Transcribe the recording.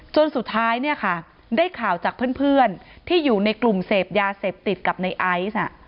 จนสุดท้ายเนี่ยค่ะได้ข่าวจากเพื่อนที่อยู่ในกลุ่มเสพยาเสพติดกับในไอซ์